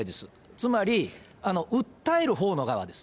つまり、訴えるほうの側です。